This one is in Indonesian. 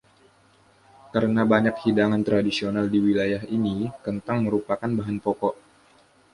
Karena banyak hidangan tradisional di wilayah ini, kentang merupakan bahan pokok.